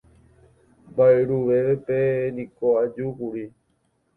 mba'yruvevépe niko ajúkuri